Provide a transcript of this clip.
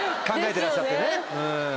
てらっしゃってね。